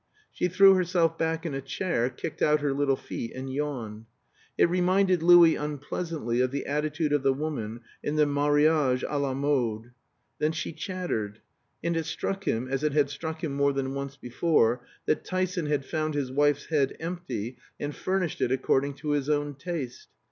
She threw herself back in a chair, kicked out her little feet, and yawned. It reminded Louis unpleasantly of the attitude of the woman in the Marriage à la Mode. Then she chattered; and it struck him, as it had struck him more than once before, that Tyson had found his wife's head empty and furnished it according to his own taste.